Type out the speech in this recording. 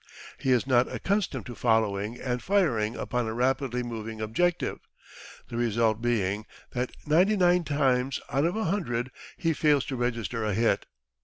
He is not accustomed to following and firing upon a rapidly moving objective, the result being that ninety nine times out of a hundred he fails to register a hit.